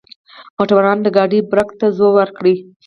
موټروان د ګاډۍ برک ته زور وکړ.